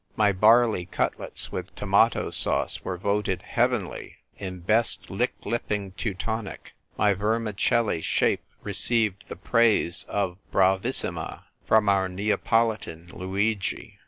My barley cutlets with tomato sauce were voted " heavenly " in best lip licking Teutonic; my vermicelli shape received the praise of "bravissima" from our Neapolitan Luigi.